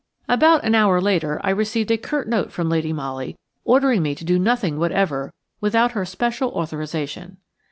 About an hour later I received a curt note from Lady Molly ordering me to do nothing whatever without her special authorisation.